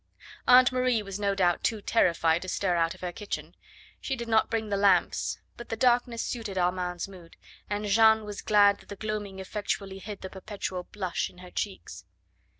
Aunt Marie was no doubt too terrified to stir out of her kitchen; she did not bring the lamps, but the darkness suited Armand's mood, and Jeanne was glad that the gloaming effectually hid the perpetual blush in her cheeks.